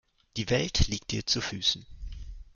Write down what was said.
Die Welt liegt dir zu Füßen.